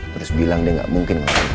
terus bilang deh gak mungkin